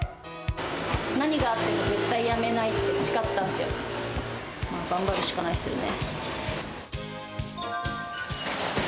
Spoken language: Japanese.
何があっても、絶対にやめないって誓ったんで、まあ、頑張るしかないですよね。